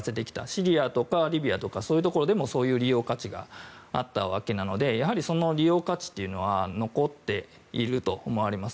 シリアとかリビアとかそういうところでもそういう利用価値があったわけなのでやはり利用価値というのは残っていると思われます。